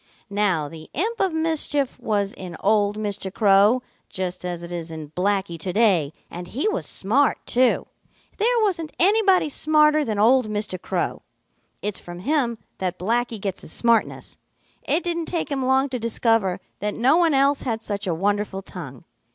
"Now the imp of mischief was in old Mr. Crow, just as it is in Blacky to day, and he was smart too. There wasn't anybody smarter than old Mr. Crow. It's from him that Blacky gets his smartness. It didn't take him long to discover that no one else had such a wonderful tongue.